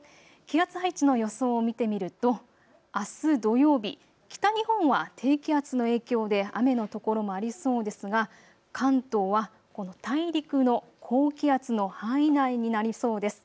気圧配置の予想を見てみると、あす土曜日、北日本は低気圧の影響で雨の所もありそうですが、関東はこの大陸の高気圧の範囲内になりそうです。